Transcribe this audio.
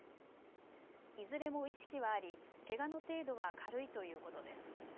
いずれも意識はありけがの程度は軽いということです。